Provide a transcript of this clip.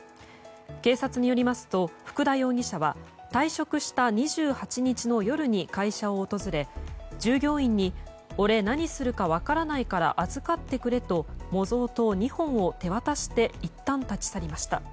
警察によりますと福田容疑者は退職した２８日の夜に会社を訪れ従業員に、俺何するか分からないから預かってくれと模造刀２本を手渡していったん立ち去りました。